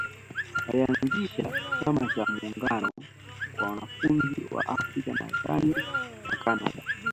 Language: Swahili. Alianzisha Chama cha muungano wa wanafunzi wa Afrika Marekani na Kanada